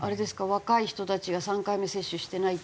若い人たちが３回目接種してないっていう。